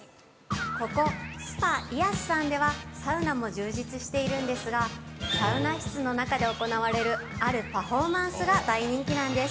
ここ、スパ・イアスさんでは、サウナも充実しているんですが、サウナ室の中で行われるあるパフォーマンスが大人気なんです。